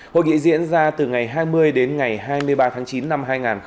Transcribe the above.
hội nghị diễn ra từ ngày hai mươi đến ngày hai mươi ba tháng chín năm hai nghìn hai mươi